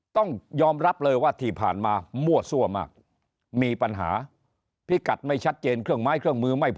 ต้องยอมรับเลยว่าที่ผ่านมามั่วซั่วมากมีปัญหาพิกัดไม่ชัดเจนเครื่องไม้เครื่องมือไม่พอ